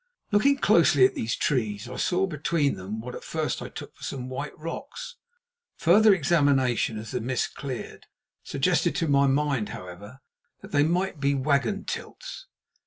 Looking closely at these trees, I saw between them what at first I took for some white rocks. Further examination, as the mist cleared, suggested to my mind, however, that they might be wagon tilts.